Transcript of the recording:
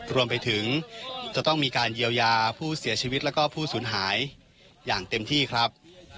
รวมไปถึงจะต้องมีการเยียวยาผู้เสียชีวิตแล้วก็ผู้สูญหายอย่างเต็มที่ครับ